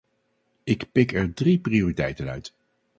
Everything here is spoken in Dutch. Ik pik er drie prioriteiten uit.